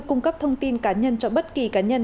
cung cấp thông tin cá nhân cho bất kỳ cá nhân